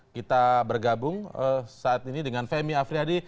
kita bergabung saat ini dengan femi afriyadi